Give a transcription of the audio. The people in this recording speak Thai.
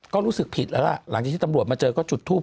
ก็รู้สึกผิดแล้วล่ะหลังจากที่ตำรวจมาเจอก็จุดทูป